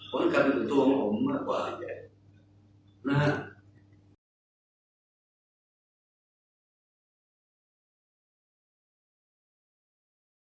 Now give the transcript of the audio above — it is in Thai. เพราะฉะนั้นการเป็นตัวของผมมากกว่าสุดยอดนะฮะ